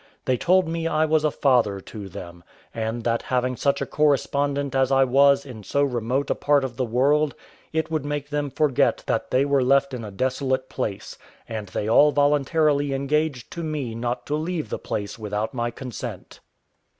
They told me I was a father to them; and that having such a correspondent as I was in so remote a part of the world, it would make them forget that they were left in a desolate place; and they all voluntarily engaged to me not to leave the place without my consent.